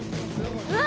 うわ